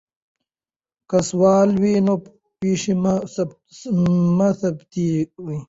که سوله وي، نو پېښې به مثبتې وي.